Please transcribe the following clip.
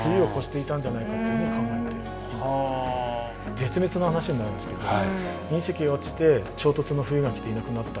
絶滅の話になるんですけど隕石が落ちて衝突の冬が来ていなくなった。